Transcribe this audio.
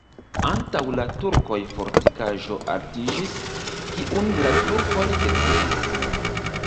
Antaŭ la turkoj fortikaĵo altiĝis, kiun la turkoj detruis.